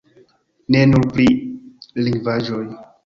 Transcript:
Ne nur pri lingvaĵoj.